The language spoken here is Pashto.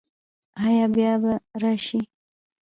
ایا بیا به راشئ؟